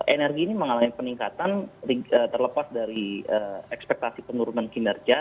energi ini mengalami peningkatan terlepas dari ekspektasi penurunan kinerja